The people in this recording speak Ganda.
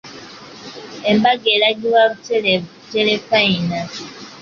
Embaga eragibwa butereevu ku Terefayina.